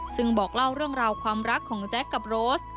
ซึ่งบอกเล่าเรื่องราวความรักของแจ๊คกับโรส